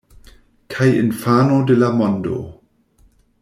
Kaj infano de la mondo.